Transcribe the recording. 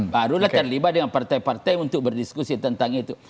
barulah terlibat dengan partai partai untuk berdiskusi tentang itu